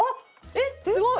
えっすごい！